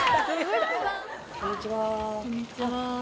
こんにちは。